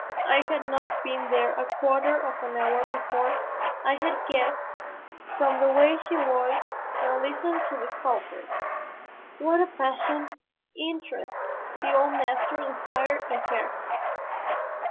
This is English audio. I had not been there a quarter of an hour before I had guessed from the way she watched and listened to Fauchery what a passionate interest the old master inspired in her.